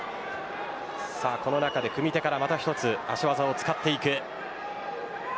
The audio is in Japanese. このなかで組み手からまた一つ足技を使っていく。